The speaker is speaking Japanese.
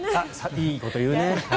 いいこと言うね。